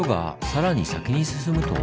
さらに先に進むと。